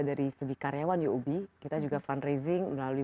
dari segi karyawan uob kita juga fundraising melalui